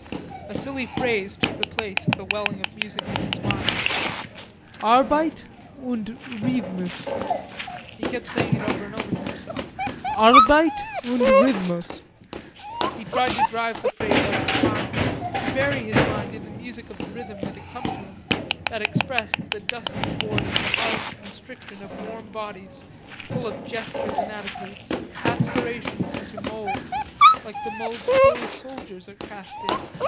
A silly phrase took the place of the welling of music in his mind: "Arbeit und Rhythmus." He kept saying it over and over to himself: "Arbeit und Rhythmus." He tried to drive the phrase out of his mind, to bury his mind in the music of the rhythm that had come to him, that expressed the dusty boredom, the harsh constriction of warm bodies full of gestures and attitudes and aspirations into moulds, like the moulds toy soldiers are cast in.